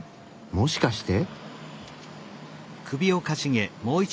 もしかして。